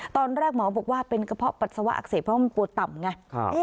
ตอนแรกหมอบอกว่าเป็นกระเพาะปัสสาวะอักเสบเพราะมันปวดต่ำไง